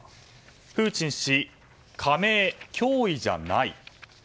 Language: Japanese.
プーチン氏、加盟脅威じゃない。